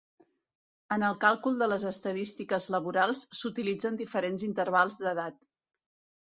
En el càlcul de les estadístiques laborals s'utilitzen diferents intervals d'edat.